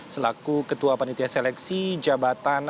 selaku ketua panitia seleksi jabatan